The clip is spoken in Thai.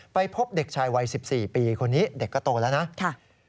พบเด็กชายวัย๑๔ปีคนนี้เด็กก็โตแล้วนะ